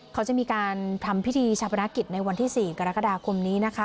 เขาจะมีการทำพิธีชาปนกิจในวันที่๔กรกฎาคมนี้นะคะ